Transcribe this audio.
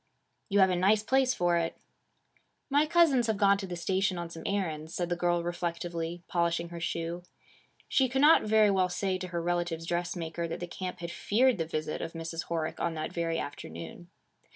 'You have a nice place for it.' 'My cousins have gone to the station on some errands,' said the girl reflectively, polishing her shoe. She could not very well say to her relative's dressmaker, that the camp had feared the visit of Mrs. Horick on that very afternoon.